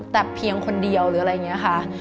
แต่เพียงคนเดียวหรืออะไรอย่างนี้ค่ะ